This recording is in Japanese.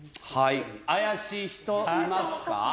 はい怪しい人いますか？